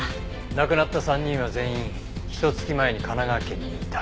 亡くなった３人は全員ひと月前に神奈川県にいた。